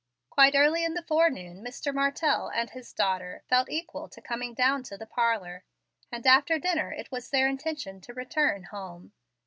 Quite early in the forenoon, Mr. Martell and his daughter felt equal to coming down to the parlor, and after dinner it was their intention to return home.